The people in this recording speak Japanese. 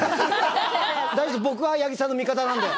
大丈夫僕は八木さんの味方なんで。